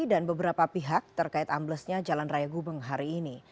dan beberapa pihak terkait amblesnya jalan raya gubeng hari ini